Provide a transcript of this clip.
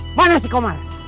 eh mana si komar